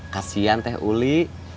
kasian teh uli